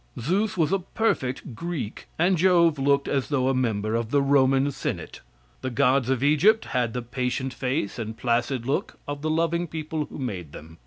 Zeus was a perfect Greek and Jove looked as though a member of the Roman senate. The gods of Egypt had the patient face and placid look of the loving people who made them.